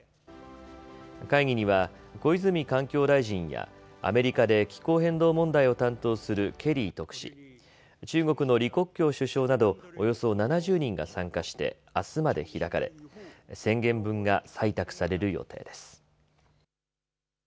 会議には小泉環境大臣やアメリカで気候変動問題を担当するケリー特使、中国の李克強首相などおよそ７０人が参加してあすまで開かれ、宣言文が採択される予定です。